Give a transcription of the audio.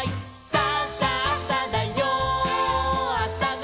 「さあさあさだよあさごはん」